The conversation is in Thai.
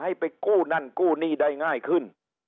ให้ไปกู้นั่นกู้หนี้ได้ง่ายขึ้น